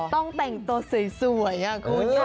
ต้องแต่งตัวสวยคุณ